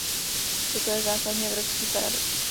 Toto je základní evropský paradox.